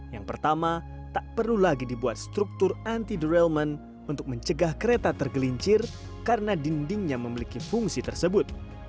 yang pertama tak perlu lagi dibuat struktur anti derelment untuk mencegah kereta tergelincir karena dindingnya memiliki fungsi tersebut